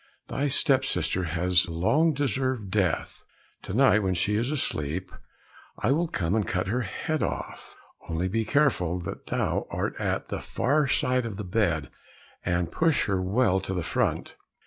Thy step sister has long deserved death, to night when she is asleep I will come and cut her head off. Only be careful that thou art at the far side of the bed, and push her well to the front."